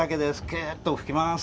キューッと吹きます。